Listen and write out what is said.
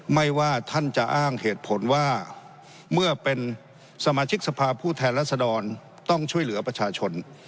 ไม่ว่าท่านจะอ้างเหตุผลว่าเมื่อเป็นสมาชิกสภาพผู้แทนรัศดรต้องช่วยเหลือประชาชน